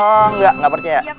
ah gak gak percaya